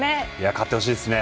勝ってほしいですね。